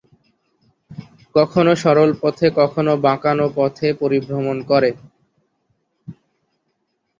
কখনো সরল পথে, কোনটি বাঁকানো পথে পরিভ্রমণ করে।